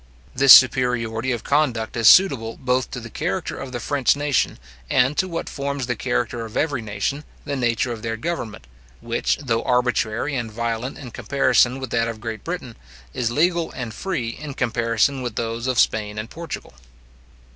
This superiority of conduct is suitable both to the character of the French nation, and to what forms the character of every nation, the nature of their government, which, though arbitrary and violent in comparison with that of Great Britain, is legal and free in comparison with those of Spain and Portugal.